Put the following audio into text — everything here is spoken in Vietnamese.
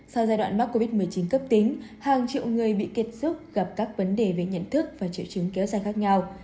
sau giai đoạn mắc covid một mươi chín cấp tính hàng triệu người bị kiệt sức gặp các vấn đề về nhận thức và triệu chứng kéo dài khác nhau